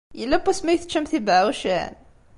Yella wasmi ay teččamt ibeɛɛucen?